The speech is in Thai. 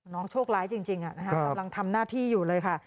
น้องโชคล้ายจริงนะครับกำลังทำหน้าที่อยู่เลยค่ะ